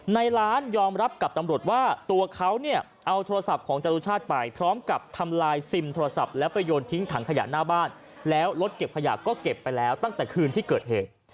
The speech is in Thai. ในร้านยอมรับกับตำรวจว่าตัวเขาเนี่ยเอาโทรศัพท์ของจรุชาติไปพร้อมกับทำลายซิมโทรศัพท์แล้วไปโยนทิ้งถังขยะหน้าบ้านแล้วรถเก็บขยะก็เก็บไปแล้วตั้งแต่คืนที่เกิดเหตุ